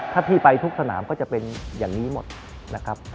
ถ้าพี่ไปทุกสนามก็จะเป็นอย่างนี้หมดนะครับ